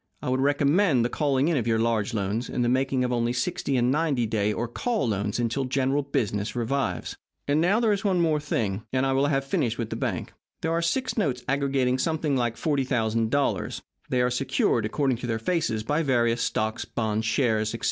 I would recommend the calling in of your large loans, and the making of only sixty and ninety day or call loans until general business revives. And now, there is one thing more, and I will have finished with the bank. Here are six notes aggregating something like $40,000. They are secured, according to their faces, by various stocks, bonds, shares, etc.